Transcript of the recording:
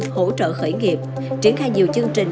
hỗ trợ khởi nghiệp triển khai nhiều chương trình